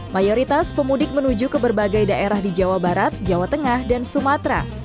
mayoritas pemudik menuju ke berbagai daerah di jawa barat jawa tengah dan sumatera